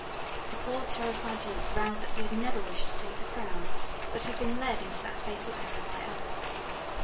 The poor terrified Duke vowed that he had never wished to take the crown, but had been led into that fatal error by others.